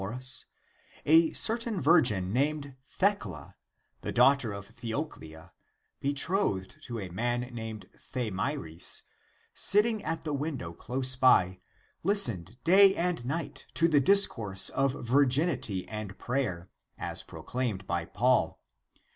ACTS OF PAUL 17 orus, a certain virgin named Thecla, the daughter of Theoclia, betrothed to a man named Thamyris, sitting at the window close by, hstened day and night to the discourse of virginity and prayer, as proclaimed by Paul.